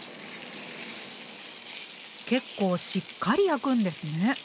結構しっかり焼くんですね。